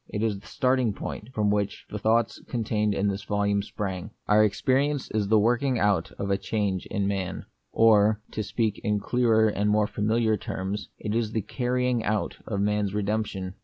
It is the starting point from which the thoughts contained in this volume sprang :— Our experience is the working out of a change in man ; or, to speak in clearer and more familiar terms, it is the carrying out of man's redemption.